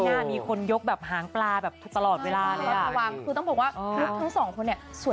ไม่ง่ามีคนยกห้างปลาียังป่อนไม่ไหว